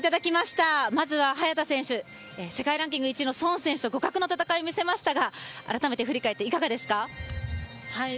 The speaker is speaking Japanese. まずは早田選手、世界ランキング１位の選手と互角の戦いを見せましたが改めて振り返っていかがですか？